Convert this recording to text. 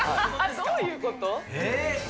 どういうこと？